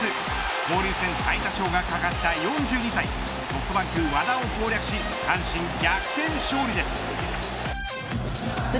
交流戦最多勝が懸った４２歳ソフトバンク和田を攻略し阪神、逆転勝利です。